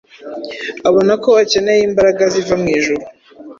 Abona ko akeneye imbaraga ziva mu ijuru.